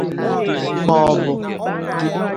maọbụ